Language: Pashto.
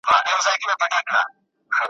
او په لاسو کي ئې هتکړۍ وې